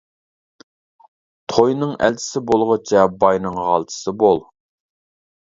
توينىڭ ئەلچىسى بولغۇچە، باينىڭ غالچىسى بول.